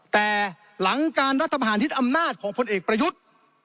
แต่หลังการรัฐบาลฮิตอำนาจของคนเอกประยุทธิ์